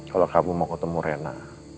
kalau kamu mau ketemu rena